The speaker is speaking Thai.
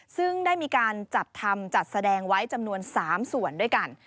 ซึ่งได้มีการจัดทำจัดแสดงไว้จำนวน๓ส่วนด้วยกัน